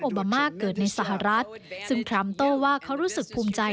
บามาเกิดในสหรัฐซึ่งทรัมปโต้ว่าเขารู้สึกภูมิใจ